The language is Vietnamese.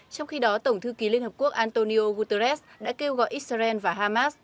trong khi đó tổng thư ký liên hợp quốc antonio guterres đã kêu gọi israel và hamas